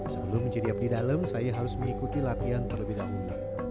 sebelum menjeriap di dalam saya harus mengikuti latihan terlebih dahulu